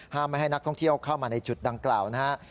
ไม่ให้นักท่องเที่ยวเข้ามาในจุดดังกล่าวนะครับ